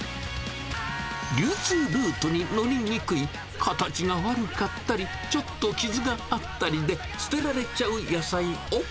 流通ルートに乗りにくい形が悪かったり、ちょっと傷があったりで捨てられちゃう野菜を。